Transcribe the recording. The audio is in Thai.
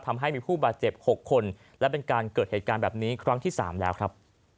ทำให้มีผู้บาดเจ็บ๖คนและเป็นการเกิดเหตุการณ์แบบนี้ครั้งที่๓แล้วครับ